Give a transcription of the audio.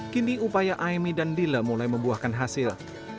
kini upaya aimi dan dile mulai membuahkan hasil